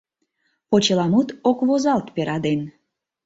Почеламут ок возалт пера ден.